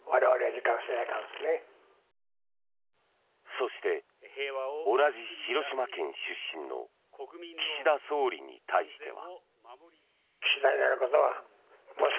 そして、同じ広島県出身の岸田総理に対しては。